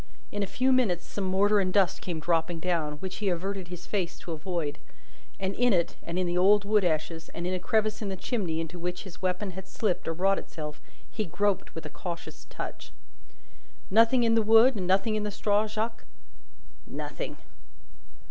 In a few minutes, some mortar and dust came dropping down, which he averted his face to avoid; and in it, and in the old wood ashes, and in a crevice in the chimney into which his weapon had slipped or wrought itself, he groped with a cautious touch. "Nothing in the wood, and nothing in the straw, Jacques?" "Nothing."